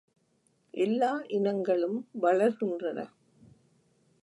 எல்லா இனங்களும் வளர்கின்றன.